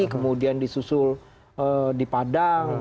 kemudian disusul di padang